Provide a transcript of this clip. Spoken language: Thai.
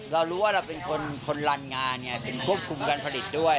เรารู้ว่าเราเป็นคนรันงานไงเป็นควบคุมการผลิตด้วย